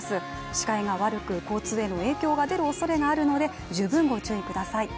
視界が悪く、交通への影響が出るおそれがあるので十分ご注意ください。